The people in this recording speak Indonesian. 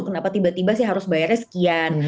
kenapa tiba tiba sih harus bayarnya sekian